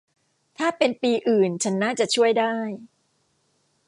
ถ้าเป็นปีอื่นฉันน่าจะช่วยได้